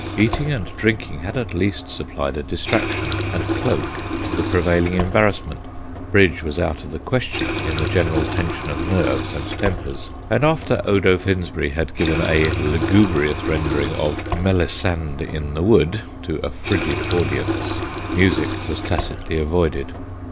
Eating and drinking had at least supplied a distraction and cloak to the prevailing embarrassment. Bridge was out of the question in the general tension of nerves and tempers, and after Odo Finsberry had given a lugubrious rendering of "Melisande in the Wood" to a frigid audience, music was tacitly avoided.